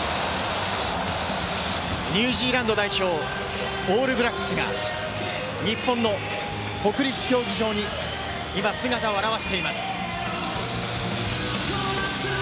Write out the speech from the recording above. ニュージーランド代表オールブラックスが、日本の国立競技場に今、姿を現しています。